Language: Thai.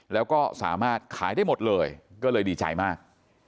แล้วก็สามารถขายได้หมดเลยก็เลยดีใจมาก